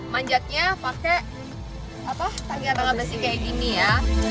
manjatnya pakai kagetan apresi seperti ini ya